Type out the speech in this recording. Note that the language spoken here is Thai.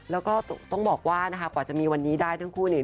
แล้วก็ต้องบอกว่านะคะกว่าจะมีวันนี้ได้ทั้งคู่เนี่ย